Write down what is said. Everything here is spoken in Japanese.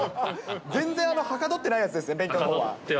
全然、はかどってないやつですね、勉強のほうは。